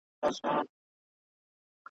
چي دي سرې اوښکي رواني تر ګرېوانه ,